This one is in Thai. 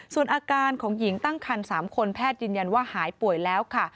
ส่วนอาการของหญิงตั้งคัน๓คนแพทย์ยืนยันว่าหายป่วยแล้วค่ะ